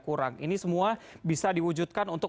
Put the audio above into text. kurang ini semua bisa diwujudkan untuk